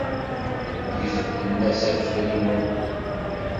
Gezmen-as afriwen.